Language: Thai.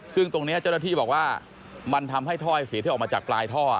ซึ่งตรงนี้เจ้าหน้าที่บอกว่ามันทำให้ถ้อยเสียที่ออกมาจากปลายท่อ